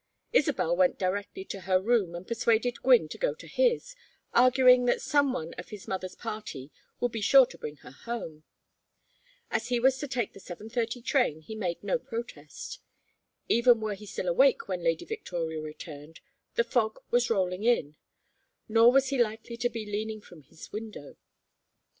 Isabel went directly to her room and persuaded Gwynne to go to his, arguing that some one of his mother's party would be sure to bring her home. As he was to take the 7:30 train he made no protest. Even were he still awake when Lady Victoria returned, the fog was rolling in; nor was he likely to be leaning from his window.